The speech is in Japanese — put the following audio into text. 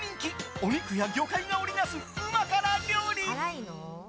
お肉や魚介が織りなすうま辛料理。